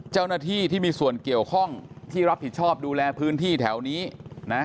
เจ้าหน้าที่ที่มีส่วนเกี่ยวข้องที่รับผิดชอบดูแลพื้นที่แถวนี้นะ